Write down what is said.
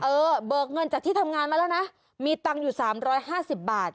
เบิกเงินจากที่ทำงานมาแล้วนะมีตังค์อยู่๓๕๐บาท